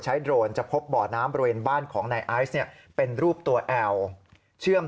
ใช้โดนจะพบบ่อน้ำบริเวณบ้านของในอาย์เป็นรูปตัวแอลเชื่อม